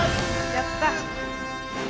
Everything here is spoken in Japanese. やった！